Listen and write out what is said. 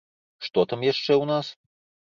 Што там яшчэ ў нас?